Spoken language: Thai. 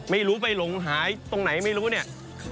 ไม่รู้ไปหลงหายตรงไหนไม่รู้เนี่ย